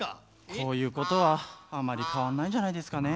こういうことはあんまりかわんないんじゃないですかね。